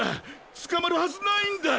つかまるはずないんだ！